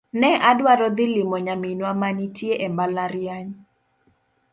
Ne adwaro dhi limo nyaminwa ma nitie e mabalariany